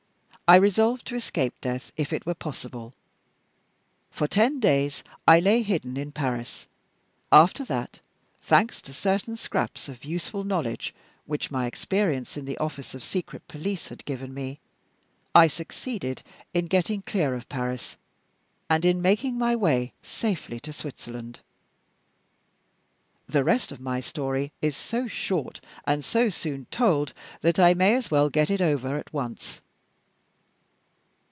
I resolved to escape death if it were possible. For ten days I lay hidden in Paris. After that thanks to certain scraps of useful knowledge which my experience in the office of secret police had given me I succeeded in getting clear of Paris and in making my way safely to Switzerland. The rest of my story is so short and so soon told that I may as well get it over at once.